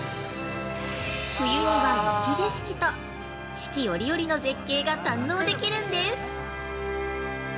冬には雪景色と、四季折々の絶景が堪能できるんです。